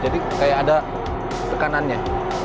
jadi seperti ada tekanannya